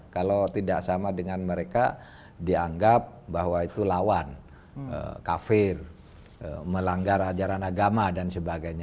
kalau tidak sama dengan mereka dianggap bahwa itu lawan kafir melanggar ajaran agama dan sebagainya